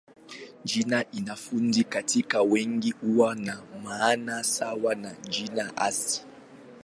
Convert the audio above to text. Jina hifadhi katika wingi huwa na maana sawa na jina hisa.